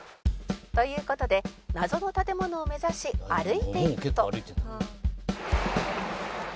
「という事で謎の建物を目指し歩いていくと」